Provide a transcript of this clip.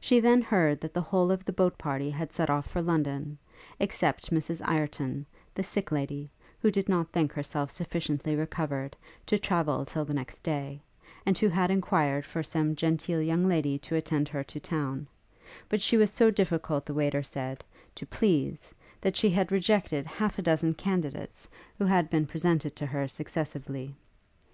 She then heard that the whole of the boat party had set off for London, except Mrs Ireton, the sick lady, who did not think herself sufficiently recovered to travel till the next day, and who had enquired for some genteel young lady to attend her to town; but she was so difficult, the waiter said, to please, that she had rejected half a dozen candidates who had been presented to her successively.